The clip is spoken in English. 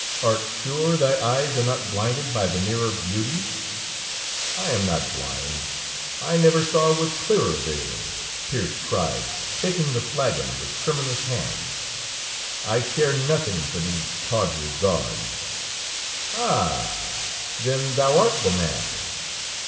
Art sure thy eyes are not blinded by the nearer beauty?" "I am not blind! I never saw with clearer vision!" Pearse cried, taking the flagon with tremorless hand. "I care nothing for these tawdry gauds." "Ah! Then thou'rt the man.